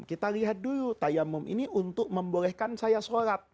kita lihat dulu tayamum ini untuk membolehkan saya sholat